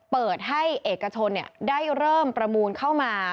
เปิดให้เอกชนได้เริ่มประมูลเข้ามา